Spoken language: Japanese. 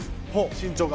身長が。